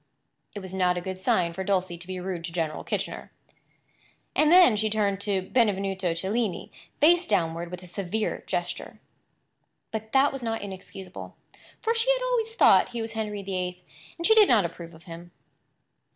It was not a good sign for Dulcie to be rude to General Kitchener. And then she turned Benvenuto Cellini face downward with a severe gesture. But that was not inexcusable; for she had always thought he was Henry VIII, and she did not approve of him.